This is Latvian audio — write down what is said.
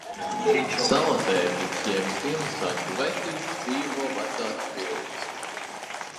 Salatētis jeb Ziemassvētku vecītis dzīvo vecās pilīs.